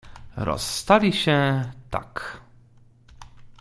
"Rozstali się tak..."